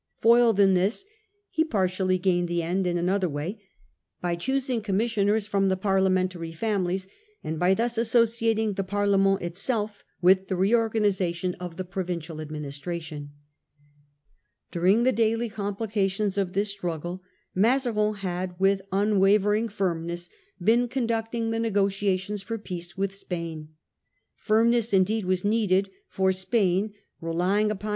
Foiled in this, he partially gained his end in another way, by choosing commissioners from the Parliamentary families, and by thus associating the Parlement itself with the reorganisation of the provincial administration. During the daily complications of this struggle Maza rin had with unwavering firmness been conducting the The war negotiations for peace with Spain. Firmness Firmnes^o'f * n ^ ee( ^ was needed; for Spain, relying upon Mazarin.